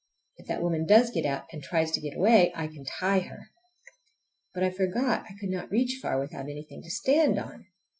If that woman does get out, and tries to get away, I can tie her! But I forgot I could not reach far without anything to stand on!